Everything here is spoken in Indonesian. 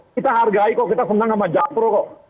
kita hargai kok kita senang sama japro kok